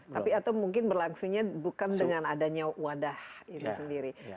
tapi atau mungkin berlangsungnya bukan dengan adanya wadah ini sendiri